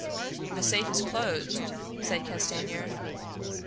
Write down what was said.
"The safe is closed," said Castanier.